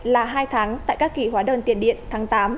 là hai tháng tại các kỳ hóa đơn tiền điện tháng tám